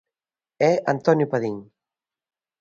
É Antonio Padín.